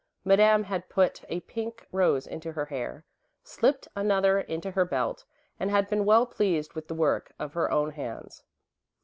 Madame had put a pink rose into her hair, slipped another into her belt, and had been well pleased with the work of her own hands.